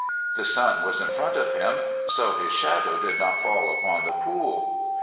The sun was in front of him, so his shadow did not fall upon the pool.